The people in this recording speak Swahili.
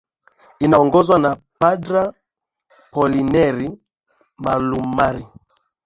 inaongozwa na padra polineri malumari